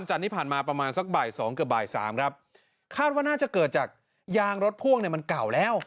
จันทร์ที่ผ่านมาประมาณสักบ่ายสองเกือบบ่ายสามครับคาดว่าน่าจะเกิดจากยางรถพ่วงเนี่ยมันเก่าแล้ว